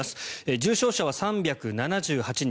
重症者は３７８人。